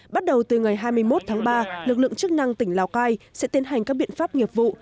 bắt đầu từ ngày hai mươi một tháng ba lực lượng chức năng tỉnh lào cai sẽ tiến hành các biện pháp nghiệp vụ